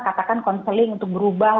katakan konseling untuk berubah